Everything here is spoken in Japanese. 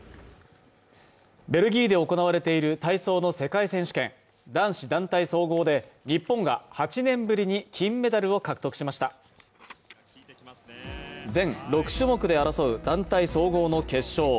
ベルギーで行われている体操の世界選手権男子団体総合で日本が８年ぶりに金メダルを獲得しました全６種目で争う団体総合の決勝